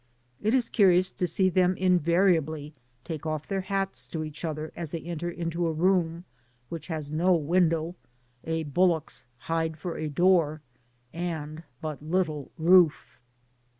It is curious to see them invariably take off their hats to each other as they enter a room which has no window, a bullock^s hide for a door, and but little roof.